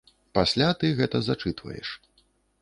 Пасля ты гэта зачытваеш.